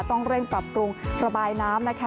ต้องเร่งปรับปรุงระบายน้ำนะคะ